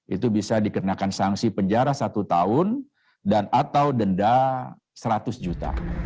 itu bisa dikenakan sanksi penjara satu tahun dan atau denda seratus juta